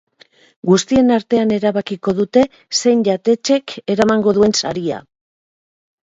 Guztien artean erabakiko dute zein jatetxek eramango duen saria.